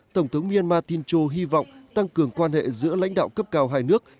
tổng thống myanmar tin châu hy vọng tăng cường quan hệ giữa lãnh đạo cấp cao hai nước